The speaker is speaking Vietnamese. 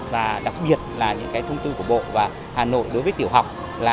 và đặc biệt là những thông tin của bộ và hà nội đối với tiểu học